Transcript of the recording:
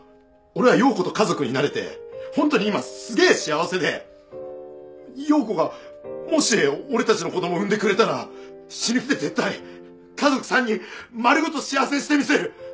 俺は陽子と家族になれてホントに今すげえ幸せで陽子がもし俺たちの子供を産んでくれたら死ぬ気で絶対家族３人丸ごと幸せにしてみせる！